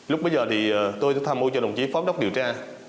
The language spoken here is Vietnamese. lúc bây giờ thì tôi tham mưu cho đồng chí phó đốc điều tra